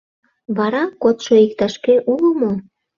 — Вара кодшо иктаж-кӧ уло мо?